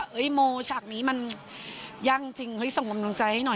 เฮ้ยโมฉากนี้มันยั่งจริงเฮ้ยส่งความจำใจให้หน่อย